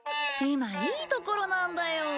今いいところなんだよ。